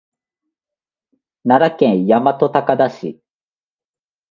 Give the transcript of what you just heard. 奈良県大和高田市